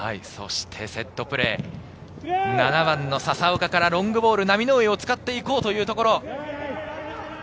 セットプレー、７番の笹岡からロングボール、浪上を使っていこうというところ。